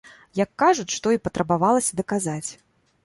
Як кажуць, што і патрабавалася даказаць!